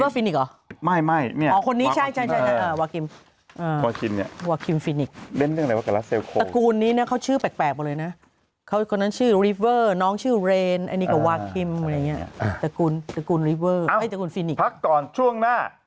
พักก่อนช่วงหน้า